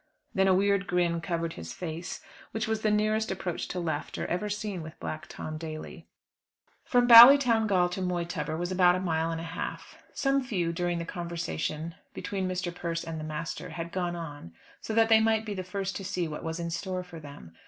Then a weird grin covered his face; which was the nearest approach to laughter ever seen with Black Tom Daly. From Ballytowngal to Moytubber was about a mile and a half. Some few, during the conversation between Mr. Persse and the master, had gone on, so that they might be the first to see what was in store for them.